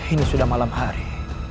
ini sudah malam hari